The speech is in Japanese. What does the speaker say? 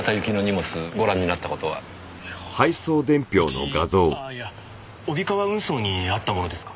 うちあいや帯川運送にあったものですか？